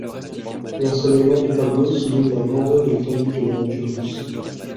L'ensoleillement du tableau souligne la grandeur et l'étendue de la nature russe.